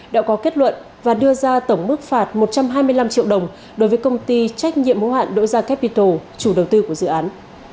đã có kết luận và đưa ra tổng mức phạt một trăm hai mươi năm triệu đồng đối với công ty trách nhiệm hữu hạn doja capital chủ đầu tư của dự án